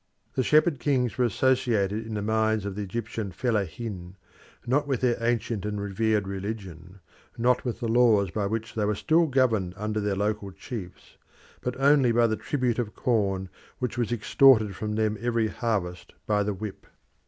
The Shepherd Kings were associated in the minds of the Egyptian fellahin, not with their ancient and revered religion, not with the laws by which they were still governed under their local chiefs, but only with the tribute of corn which was extorted from them every harvest by the whip.